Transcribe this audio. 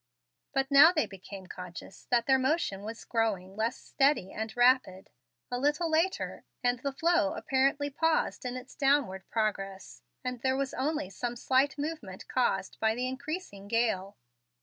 But now they became conscious that their motion was growing less steady and rapid. A little later, and the floe apparently paused in its downward progress, and there was only some slight movement caused by the increasing gale.